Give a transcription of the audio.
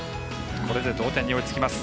これで同点に追いつきます。